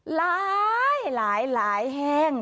หลายหลายหลายแห้ง